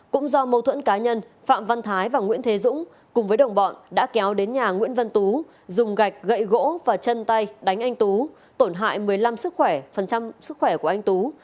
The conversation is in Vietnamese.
cũng do mâu thuẫn cá nhân phạm văn thái và nguyễn thế dũng cùng với đồng bọn đã kéo đến nhà nguyễn văn tú dùng gạch gậy gỗ và chân tay đánh anh tú tổn hại một mươi năm sức khỏe phần trăm sức khỏe của anh tú